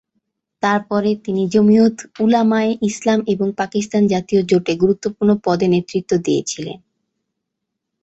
তারপরে তিনি জমিয়ত উলামায়ে ইসলাম এবং পাকিস্তান জাতীয় জোটে গুরুত্বপূর্ণ পদে নেতৃত্ব দিয়েছিলেন।